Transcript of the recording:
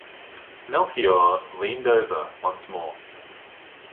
Melchior leaned over once more.